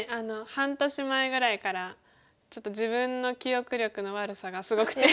半年前ぐらいからちょっと自分の記憶力の悪さがすごくて。